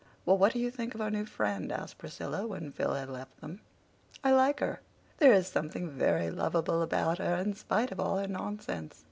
"Well, what do you think of our new friend?" asked Priscilla, when Phil had left them. "I like her. There is something very lovable about her, in spite of all her nonsense.